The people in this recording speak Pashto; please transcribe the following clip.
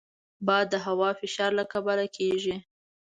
باد د هوا فشار له کبله کېږي